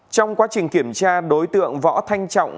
trong quá trình kiểm tra đối tượng đã có hành vi chống người thi hành công vụ